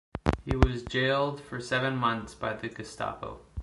He was jailed for seven months by the Gestapo.